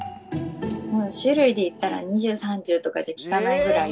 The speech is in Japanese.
種類でいったら２０３０とかじゃきかないぐらい。